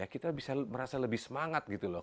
kita bisa merasa lebih semangat gitu loh